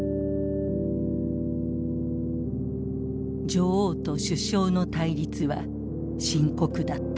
女王と首相の対立は深刻だった。